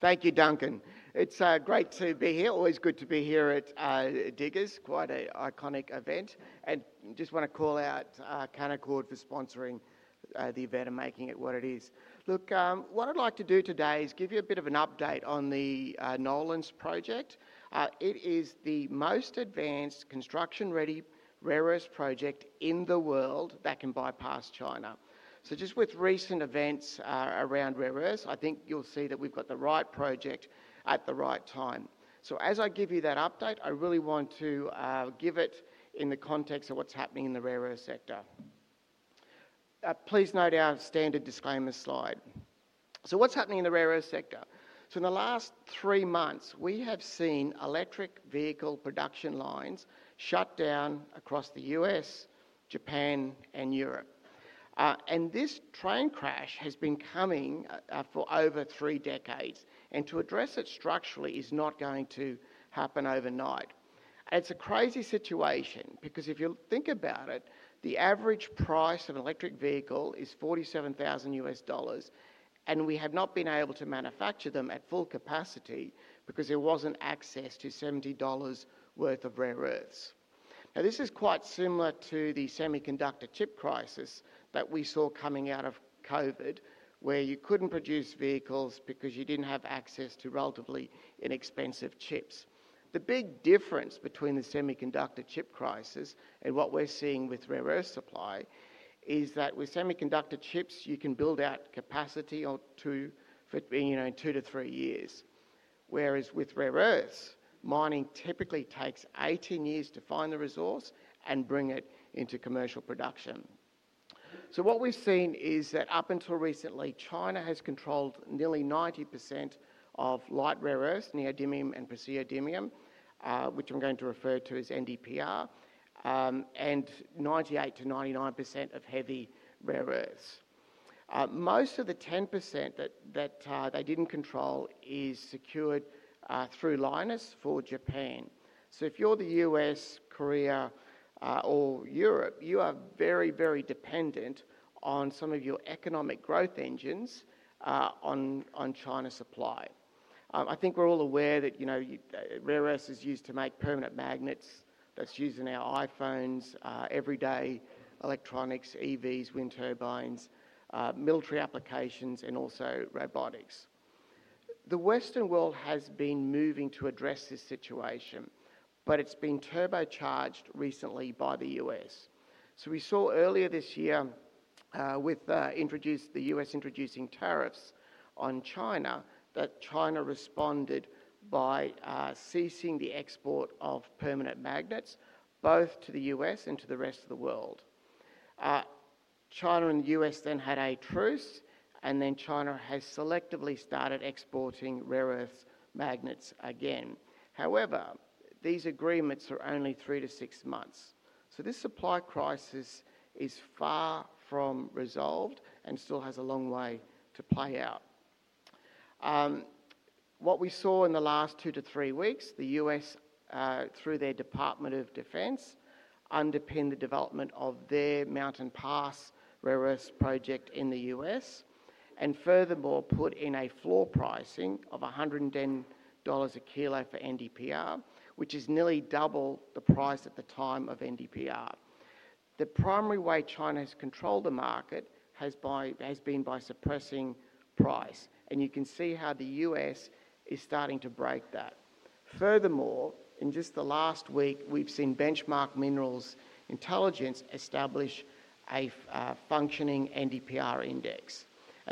Thank you, Duncan. It's great to be here. Always good to be here at Diggers, quite an iconic event. I just want to call out Canaccord for sponsoring the event and making it what it is. What I'd like to do today is give you a bit of an update on the Nolans project. It is the most advanced construction-ready rare earth project in the world that can bypass China. With recent events around rare earths, I think you'll see that we've got the right project at the right time. As I give you that update, I really want to give it in the context of what's happening in the rare earth sector. Please note our standard disclaimer slide. What's happening in the rare earth sector? In the last three months, we have seen electric vehicle production lines shut down across the U.S., Japan, and Europe. This train crash has been coming for over three decades. To address it structurally is not going to happen overnight. It's a crazy situation because if you think about it, the average price of an electric vehicle is $47,000 U.S. dollars, and we have not been able to manufacture them at full capacity because there wasn't access to $70 worth of rare earths. This is quite similar to the semiconductor chip crisis that we saw coming out of COVID, where you couldn't produce vehicles because you didn't have access to relatively inexpensive chips. The big difference between the semiconductor chip crisis and what we're seeing with rare earth supply is that with semiconductor chips, you can build out capacity for two to three years. With rare earths, mining typically takes 18 years to find the resource and bring it into commercial production. What we've seen is that up until recently, China has controlled nearly 90% of light rare earths, neodymium and praseodymium, which I'm going to refer to as NDPR, and 98%-99% of heavy rare earths. Most of the 10% that they didn't control is secured through LINUS for Japan. If you're the U.S., Korea, or Europe, you are very, very dependent on some of your economic growth engines on China's supply. I think we're all aware that rare earths are used to make permanent magnets. That's used in our iPhones every day, electronics, EVs, wind turbines, military applications, and also robotics. The Western world has been moving to address this situation, but it's been turbocharged recently by the U.S. We saw earlier this year with the U.S. introducing tariffs on China that China responded by ceasing the export of permanent magnets, both to the U.S. and to the rest of the world. China and the U.S. then had a truce, and then China has selectively started exporting rare earths magnets again. However, these agreements are only three to six months. This supply crisis is far from resolved and still has a long way to play out. What we saw in the last two to three weeks, the U.S., through their Department of Defense, underpinned the development of their Mountain Pass rare earth project in the U.S. and furthermore put in a floor pricing of $110 a kilo for neodymium-praseodymium oxide, which is nearly double the price at the time of neodymium-praseodymium oxide. The primary way China has controlled the market has been by suppressing price, and you can see how the U.S. is starting to break that. Furthermore, in just the last week, we've seen Benchmark Minerals Intelligence establish a functioning neodymium-praseodymium oxide index.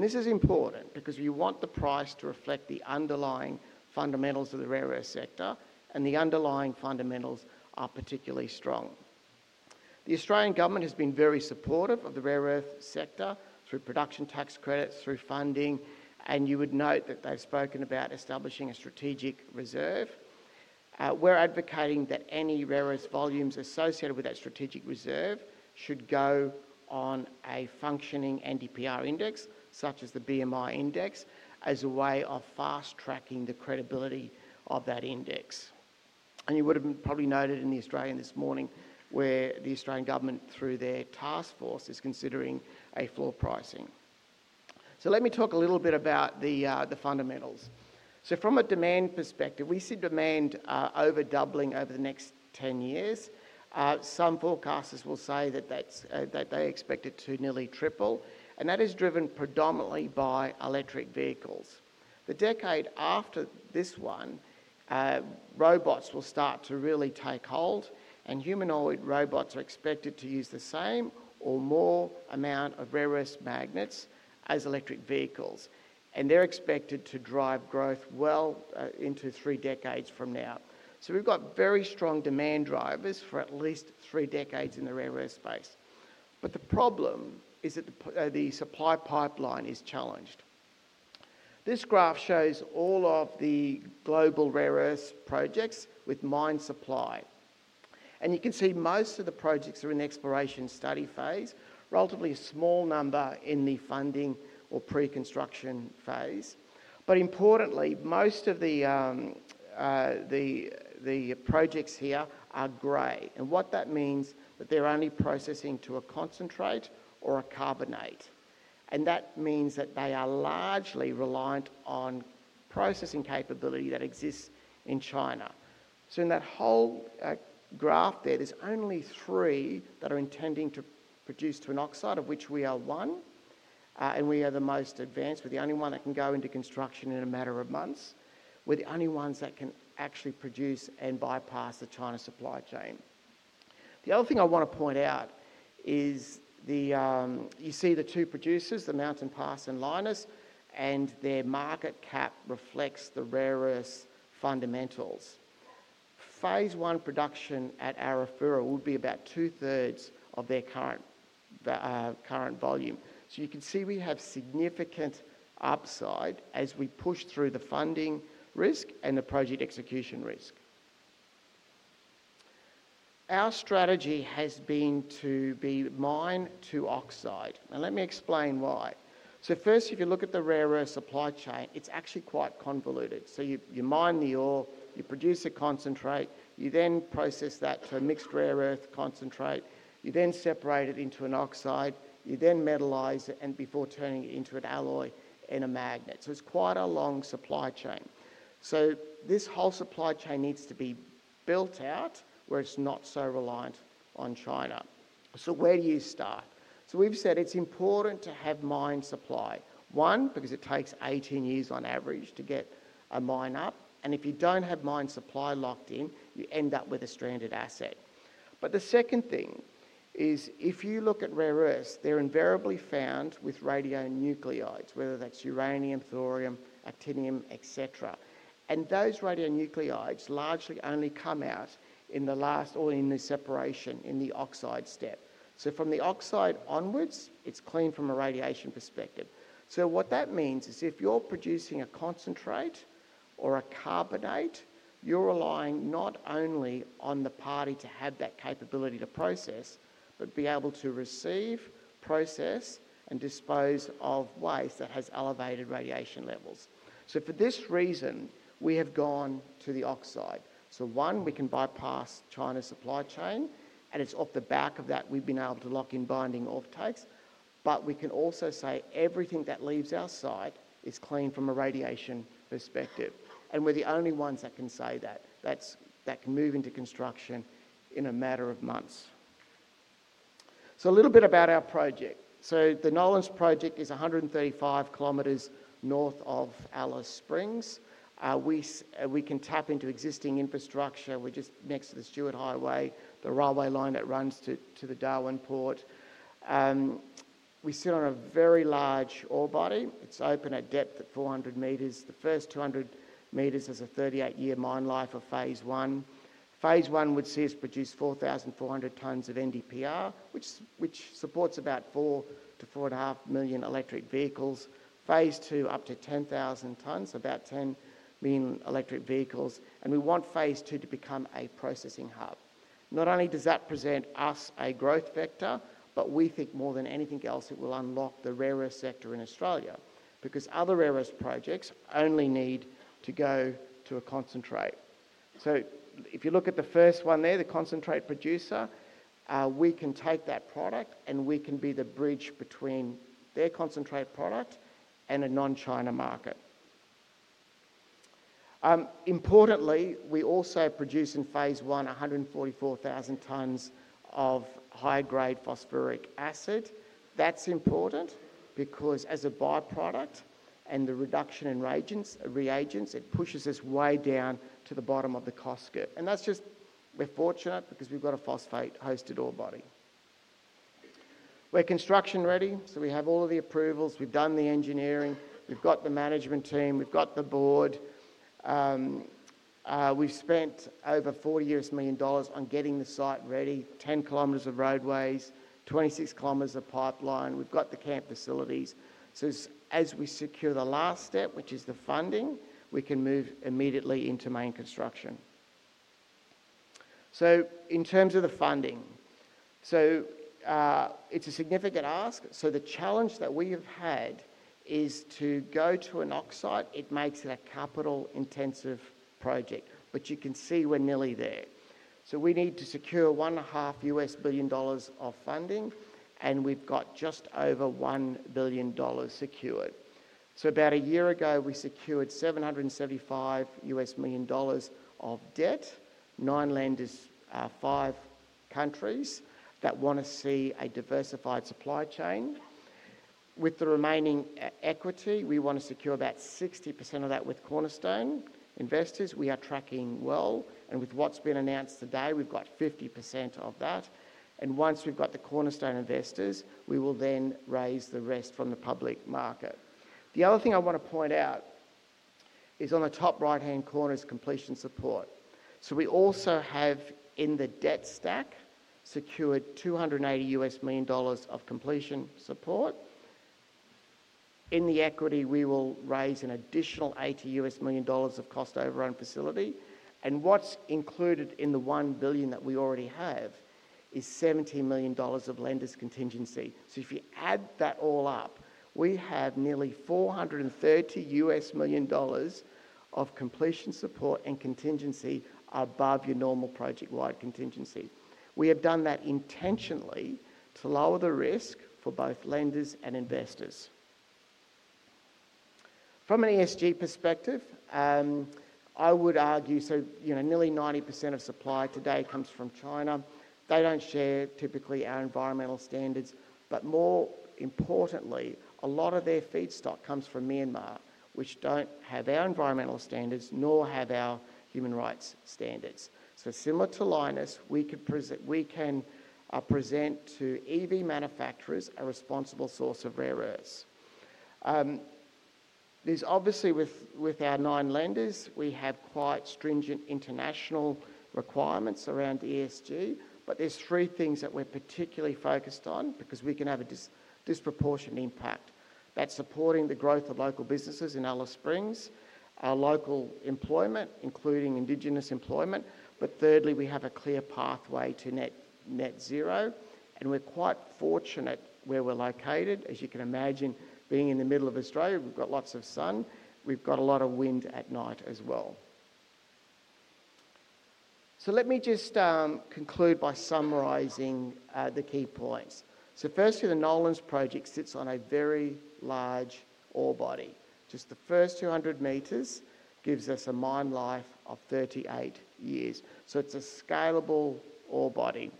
This is important because we want the price to reflect the underlying fundamentals of the rare earth sector, and the underlying fundamentals are particularly strong. The Australian government has been very supportive of the rare earth sector through production tax credits, through funding, and you would note that they've spoken about establishing a strategic reserve. We're advocating that any rare earth volumes associated with that strategic reserve should go on a functioning neodymium-praseodymium oxide index, such as the BMI index, as a way of fast tracking the credibility of that index. You would have probably noted in the Australian this morning where the Australian government, through their task force, is considering a floor pricing. Let me talk a little bit about the fundamentals. From a demand perspective, we see demand over doubling over the next 10 years. Some forecasters will say that they expect it to nearly triple, and that is driven predominantly by electric vehicles. The decade after this one, robots will start to really take hold, and humanoid robots are expected to use the same or more amount of rare earth magnets as electric vehicles. They're expected to drive growth well into three decades from now. We've got very strong demand drivers for at least three decades in the rare earth space. The problem is that the supply pipeline is challenged. This graph shows all of the global rare earth projects with mine supply. You can see most of the projects are in the exploration study phase, with a relatively small number in the funding or pre-construction phase. Importantly, most of the projects here are gray. What that means is that they're only processing to a concentrate or a carbonate, which means they are largely reliant on processing capability that exists in China. In that whole graph, there's only three that are intending to produce to an oxide, of which we are one. We are the most advanced. We're the only one that can go into construction in a matter of months. We're the only ones that can actually produce and bypass the China supply chain. The other thing I want to point out is you see the two producers, the Mountain Pass and Lynas, and their market cap reflects the rare earth fundamentals. Phase one production at Arafura would be about two-thirds of their current volume. You can see we have significant upside as we push through the funding risk and the project execution risk. Our strategy has been to mine to oxide. Let me explain why. If you look at the rare earth supply chain, it's actually quite convoluted. You mine the ore, you produce a concentrate, you then process that to a mixed rare earth concentrate, you then separate it into an oxide, you then metallize it, and before turning it into an alloy and a magnet. It's quite a long supply chain. This whole supply chain needs to be built out where it's not so reliant on China. Where do you start? We've said it's important to have mine supply. One, because it takes 18 years on average to get a mine up. If you don't have mine supply locked in, you end up with a stranded asset. The second thing is if you look at rare earths, they're invariably found with radionuclides, whether that's uranium, thorium, actinium, etc. Those radionuclides largely only come out in the last or in the separation in the oxide step. From the oxide onwards, it's clean from a radiation perspective. What that means is if you're producing a concentrate or a carbonate, you're relying not only on the party to have that capability to process, but be able to receive, process, and dispose of waste that has elevated radiation levels. For this reason, we have gone to the oxide. One, we can bypass China's supply chain, and it's off the back of that we've been able to lock in binding offtakes. We can also say everything that leaves our site is clean from a radiation perspective. We're the only ones that can say that. That can move into construction in a matter of months. A little bit about our project. The Nolans project is 135 km north of Alice Springs. We can tap into existing infrastructure. We're just next to the Stuart Highway, the railway line that runs to the Darwin Port. We sit on a very large ore body. It's open at depth at 400 meters. The first 200 meters is a 38-year mine life of phase one. Phase one would see us produce 4,400 tonnes of [NDPR], which supports about 4 million-4.5 million electric vehicles. Phase two, up to 10,000 tonnes, about 10 million electric vehicles. We want phase two to become a processing hub. Not only does that present us a growth vector, but we think more than anything else it will unlock the rare earth sector in Australia because other rare earth projects only need to go to a concentrate. If you look at the first one there, the concentrate producer, we can take that product and we can be the bridge between their concentrate product and a non-China market. Importantly, we also produce in phase one 144,000 tonnes of high-grade phosphoric acid. That's important because as a byproduct and the reduction in reagents, it pushes us way down to the bottom of the cost curve. We're fortunate because we've got a phosphate-hosted ore body. We're construction ready. We have all of the approvals. We've done the engineering. We've got the management team. We've got the board. We've spent over $40 million on getting the site ready, 10 km of roadways, 26 km of pipeline. We've got the camp facilities. As we secure the last step, which is the funding, we can move immediately into main construction. In terms of the funding, it's a significant ask. The challenge that we have had is to go to an oxide. It makes it a capital-intensive project, which you can see we're nearly there. We need to secure $1.5 billion of funding, and we've got just over $1 billion secured. About a year ago, we secured $775 million of debt. Nine lenders, five countries that want to see a diversified supply chain. With the remaining equity, we want to secure 60% of that with cornerstone investors. We are tracking well. With what's been announced today, we've got 50% of that. Once we've got the cornerstone equity investors, we will then raise the rest from the public market. The other thing I want to point out is on the top right-hand corner is completion support. We also have in the debt stack secured $280 million of completion support. In the equity, we will raise an additional $80 million of cost overrun facility. What's included in the $1 billion that we already have is $17 million of lenders' contingency. If you add that all up, we have nearly $430 million of completion support and contingency above your normal project-wide contingency. We have done that intentionally to lower the risk for both lenders and investors. From an ESG perspective, I would argue nearly 90% of supply today comes from China. They don't share typically our environmental standards. More importantly, a lot of their feedstock comes from Myanmar, which doesn't have our environmental standards nor our human rights standards. Similar to Lynas, we can present to electric vehicle manufacturers a responsible source of rare earths. With our nine lenders, we have quite stringent international requirements around ESG. There are three things that we're particularly focused on because we can have a disproportionate impact. That's supporting the growth of local businesses in Alice Springs, our local employment including Indigenous employment, and we have a clear pathway to net zero. We're quite fortunate where we're located. As you can imagine, being in the middle of Australia, we've got lots of sun. We've got a lot of wind at night as well. Let me just conclude by summarizing the key points. Firstly, the Nolans project sits on a very large ore body. Just the first 200 meters gives us a mine life of 38 years. It's a scalable ore body.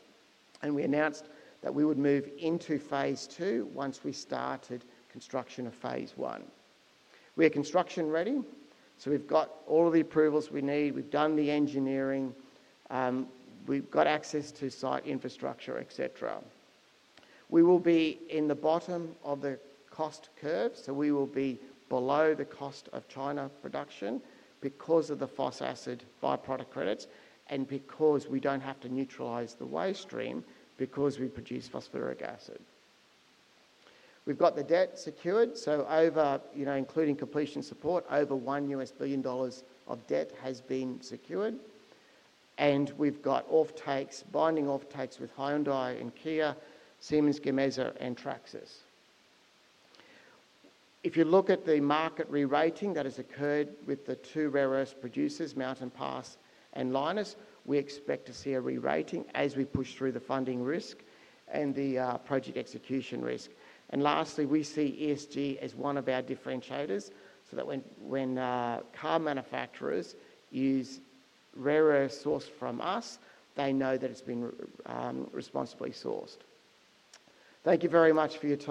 We announced that we would move into phase two once we started construction of phase one. We are construction-ready. We've got all of the approvals we need. We've done the engineering. We've got access to site infrastructure, etc. We will be in the bottom of the cost curve. We will be below the cost of China production because of the phosphoric acid byproduct credits and because we don't have to neutralize the waste stream since we produce phosphoric acid. We've got the debt secured. Including completion support, over $1 billion of debt has been secured. We have binding offtakes with Hyundai and Kia, Siemens Gamesa, and Traxys. If you look at the market re-rating that has occurred with the two rare earth producers, Mountain Pass and Lynas, we expect to see a re-rating as we push through the funding risk and the project execution risk. Lastly, we see ESG as one of our differentiators so that when car manufacturers use rare earth sourced from us, they know that it's been responsibly sourced. Thank you very much for your time.